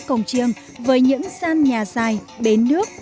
còng chiêng với những xan nhà dài bến nước